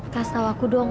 kasih tahu aku dong